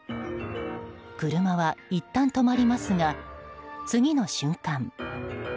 車はいったん止まりますが次の瞬間。